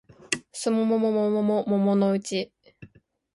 季も桃も桃のうち